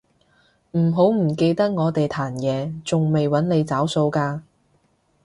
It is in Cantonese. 唔好唔記得我哋壇野仲未搵你找數㗎